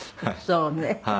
そうね。